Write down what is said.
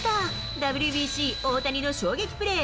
ＷＢＣ、大谷の衝撃プレー！